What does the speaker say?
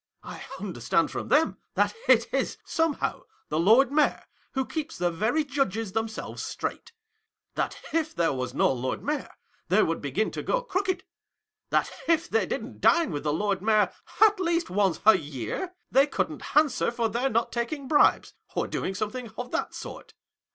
I understand from them, that it is, somehow, the Lord Mayor who keeps the very judges themselves straight ; that if there was no Lord Mayor, they would begin to go crooked ; that if they didn't dine with the Lord Mayor at least once a year, they couldn't answer ior their not taking bribes, or doing something of that sort.